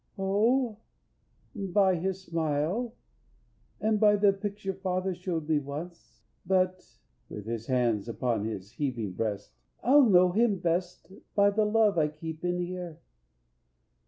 "O by His smile, And by the picture father shewed me once, But" (with his hand upon his heaving breast) "I'll know Him best by the love I keep in here."